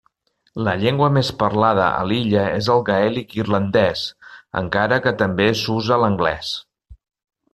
La llengua més parlada a l'illa és el gaèlic irlandès, encara que també s'usa l'anglès.